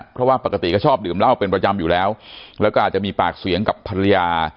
เพราะว่าปกติก็ชอบดื่มเหล้าเป็นประจำอยู่แล้วแล้วก็อาจจะมีปากเสียงกับภรรยา